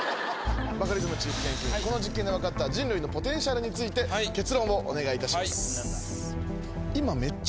バカリズムチーフ研究員この実験で分かった人類のポテンシャルについて結論をお願いいたします。